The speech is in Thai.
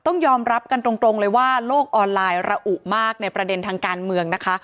ต้องยอมรับกันตรงเลยว่าโลกออนไลน์ระอุมากในประเด็นทางการเมืองนะคะ